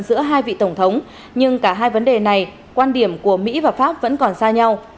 giữa hai vị tổng thống nhưng cả hai vấn đề này quan điểm của mỹ và pháp vẫn còn xa nhau